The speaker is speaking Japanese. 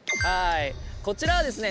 こちらはですね